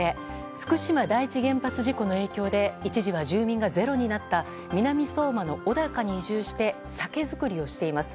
福島第一原発の影響で一時は住民がゼロになった南相馬の小高に移住して酒造りをしています。